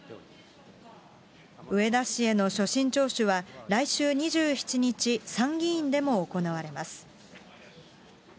植田氏への所信聴取は、来週２７日、参議院でも行われます。